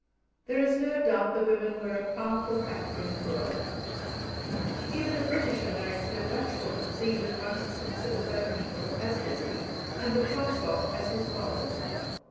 There is no doubt the women were a powerful factor in Boerland. Even a Britisher married to a Dutchwoman seemed at once to consider her people as his people, and the Transvaal as his fatherland.